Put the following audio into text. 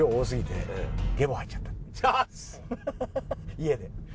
家で。